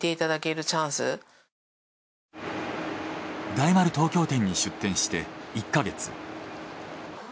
大丸東京店に出展して１か月。